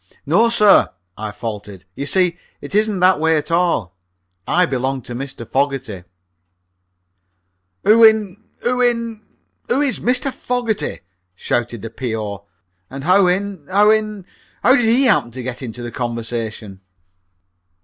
"No, sir," I faltered; "you see, it isn't that way at all. I belong to Mr. Fogerty." "Who in who in who is Mr. Fogerty?" shouted the P.O. "And how in how in how did he happen to get into the conversation?"